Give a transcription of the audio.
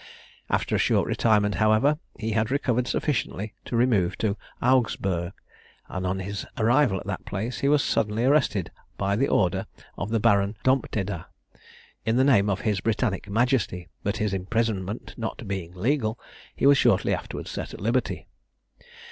After a short retirement, however, he had recovered sufficiently to remove to Augsburgh; and on his arrival at that place he was suddenly arrested by order of the Baron d'Ompteda, in the name of his Britannic majesty; but his imprisonment not being legal, he was shortly afterwards set at liberty.